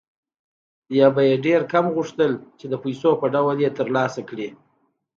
یا به یې ډېر کم غوښتل چې د پیسو په ډول یې ترلاسه کړي